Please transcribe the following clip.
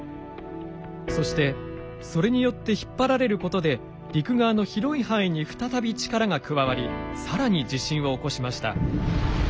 そしてそれによって引っ張られることで陸側の広い範囲に再び力が加わり更に地震を起こしました。